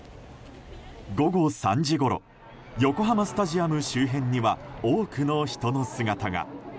午後３時ごろ横浜スタジアム周辺には多くの人の姿が。